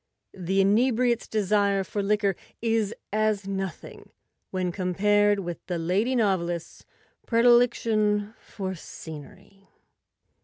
The inebriate's desire for liquor is as nothing when compared with the lady novelist's predilection for scenery.